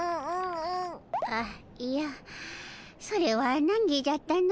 あいやそれはなんぎじゃったの。